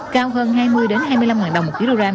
cao hơn hai mươi hai mươi năm ngàn đồng ký đô ram